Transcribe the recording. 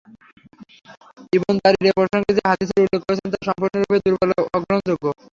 Ibn Jarir এ প্রসঙ্গে যে হাদীসের উল্লেখ করেছেন তা সম্পূর্ণরূপে দুর্বল ও অগ্রহণযোগ্য।